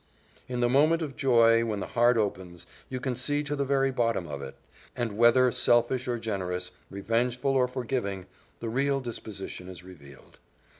In the moment of joy, when the heart opens, you can see to the very bottom of it; and whether selfish or generous, revengeful or forgiving, the real disposition is revealed.